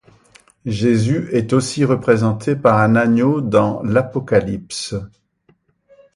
Jésus est aussi représenté par un agneau dans l'Apocalypse.